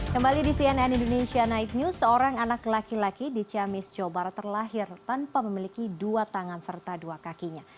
kembali di cnn indonesia night news seorang anak laki laki di ciamis jawa barat terlahir tanpa memiliki dua tangan serta dua kakinya